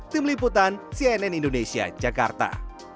tim liputan cnn indonesia jakarta